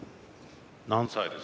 何歳ですか？